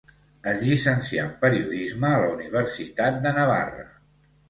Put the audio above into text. Es llicencià en periodisme a la Universitat de Navarra.